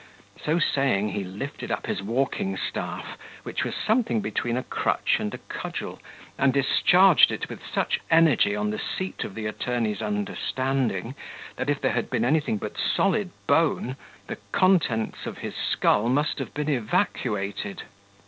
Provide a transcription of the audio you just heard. So saying, he lifted up his walking staff, which was something between a crutch and a cudgel, and discharged it with such energy on the seat of the attorney's understanding, that if there had been anything but solid bone, the contents of his skull must have been evacuated.